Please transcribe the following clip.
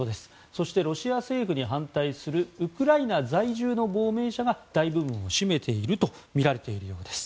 そして、ロシア政府に反対するウクライナ在住の亡命者が大部分を占めているとみられているようです。